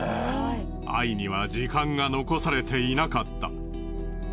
アイには時間が残されていなかった。